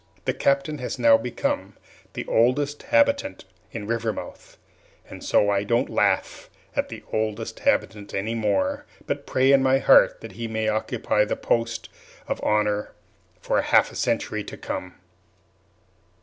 The Captain has now become the Oldest Inhabitant in Rivermouth, and so I don't laugh at the Oldest Inhabitant any more, but pray in my heart that he may occupy the post of honor for half a century to come!